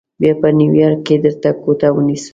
بیا به نیویارک کې درته کوټه ونیسو.